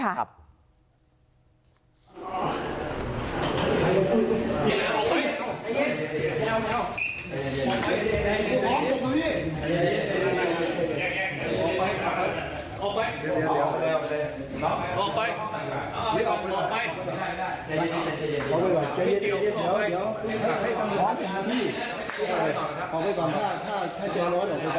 เอาไปก่อนถ้าเจอยาดเอาไปก่อน